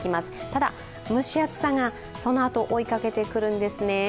ただ、蒸し暑さがそのあと追いかけてくるんですね。